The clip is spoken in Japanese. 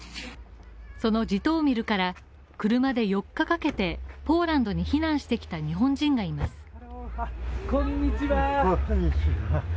そのジトーミルから車で４日かけてポーランドに避難してきた日本人がいます。